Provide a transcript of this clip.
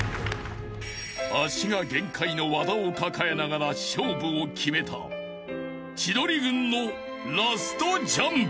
［足が限界の和田を抱えながら勝負を決めた千鳥軍のラストジャンプ］